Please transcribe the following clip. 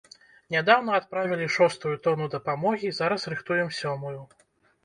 Нядаўна адправілі шостую тону дапамогі, зараз рыхтуем сёмую.